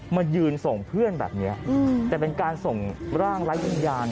มายืนส่งเพื่อนแบบนี้แต่เป็นการส่งร่างไร้วิญญาณ